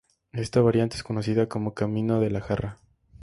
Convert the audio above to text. Esta variante es conocida como Camino de la Jara.